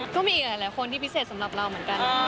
ก็มีอีกหลายคนที่พิเศษสำหรับเราเหมือนกัน